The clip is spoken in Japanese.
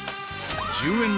１０円